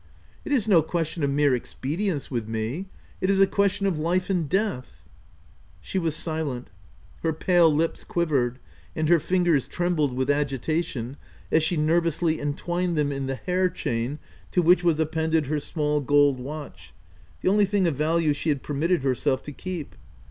It is no question of mere expedience with me ; it is a question of life and death !" She was silent. Her pale lips quivered, and her fingers trembled with agitation, as she ner vously entwined them in the hair chain to which was appended her small gold watch — the only thing of value she had permitted herself to keep.